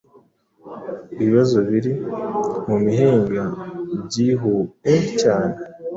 ibibazo biri mumihinga Byihue cyane